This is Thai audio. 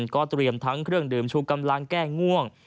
ก็เตรียมทั้งเครื่องดื่มชูกำลังแก้ง่วง